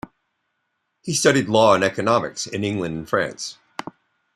He studied law and economics in England and France.